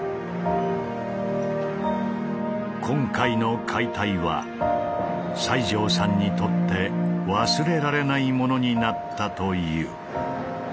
今回の解体は西城さんにとって忘れられないものになったという。